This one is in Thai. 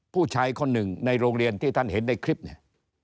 ผู้ชายคนหนึ่งในโรงเรียนที่ท่านเห็นในคลิปเนี่ย